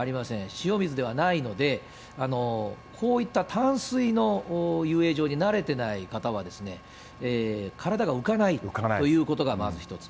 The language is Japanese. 塩水ではないので、こういった淡水の遊泳場に慣れてない方は、体が浮かないということがまず１つ。